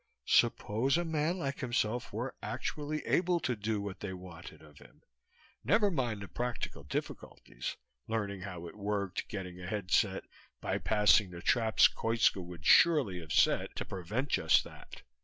Suppose a man like himself were actually able to do what they wanted of him. Never mind the practical difficulties learning how it worked, getting a headset, bypassing the traps Koitska would surely have set to prevent just that.